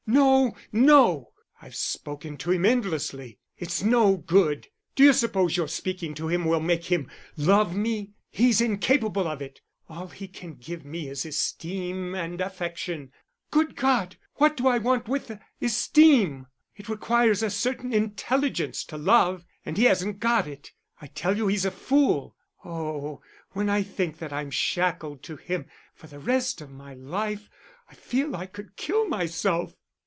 "No! No! I've spoken to him endlessly. It's no good. D'you suppose your speaking to him will make him love me? He's incapable of it; all he can give me is esteem and affection good God, what do I want with esteem! It requires a certain intelligence to love, and he hasn't got it. I tell you he's a fool. Oh, when I think that I'm shackled to him for the rest of my life, I feel I could kill myself."